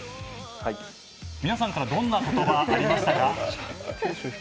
皆さんからどんな言葉ありましたか？